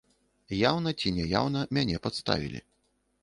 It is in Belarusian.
Яўна ці няяўна мяне падставілі.